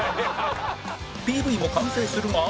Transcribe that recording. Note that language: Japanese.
ＰＶ も完成するが